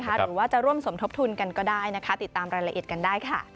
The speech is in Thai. หรือว่าจะร่วมสมทบทุนกันก็ได้นะคะติดตามรายละเอียดกันได้ค่ะ